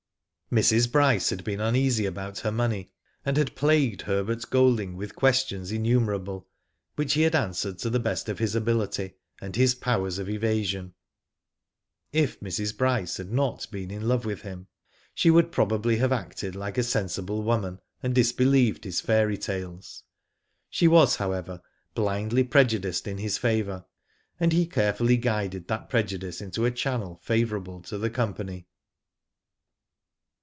Mrs. Bryce had been uneasy about her money, and had plagued Herbert Golding with questions innumerable, which he had answered to the best of his ability, and bis powers of evasion. If Mrs. Bryce bad not been in love with him, she would probably have acted like a sensible woman, and disbelieved bis fairy tales. She was however, blindly prejudiced in his favour, and he carefully guided that prejudice into a channel favourable to the company.